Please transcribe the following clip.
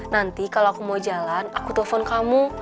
nanti kalau aku mau jalan aku telpon kamu